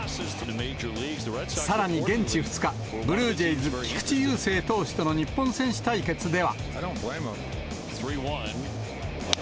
さらに現地２日、ブルージェイズ、菊池雄星投手との日本選手対決では。